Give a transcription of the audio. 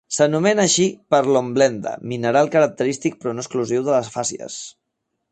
S'anomena així per l'hornblenda, mineral característic però no exclusiu de la fàcies.